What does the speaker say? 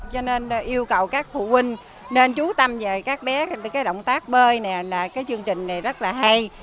cho nên yêu cầu các phụ huynh nên chú tâm về các bé cái động tác bơi này là cái chương trình này rất là hay